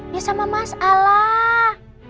ya sama masalah